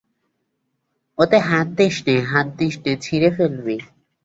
ওতে হাত দিস নে, হাত দিস নে, ছিঁড়ে ফেলবি।